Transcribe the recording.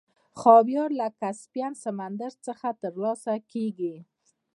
خاویار له کسپین سمندر څخه ترلاسه کیږي.